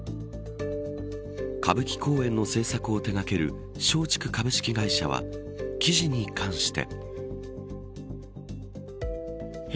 歌舞伎公演の制作を手掛ける松竹株式会社は記事に関して。